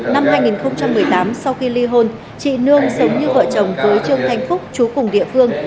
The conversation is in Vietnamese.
năm hai nghìn một mươi tám sau khi ly hôn chị nương sống như vợ chồng với trương thanh phúc chú cùng địa phương